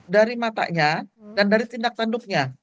dari matanya dan dari tindak tanduknya